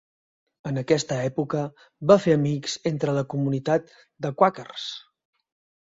En aquesta època va fer amics entre la comunitat de quàquers.